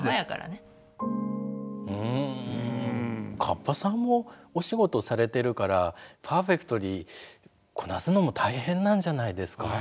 うんカッパさんもお仕事されてるからパーフェクトにこなすのも大変なんじゃないですか？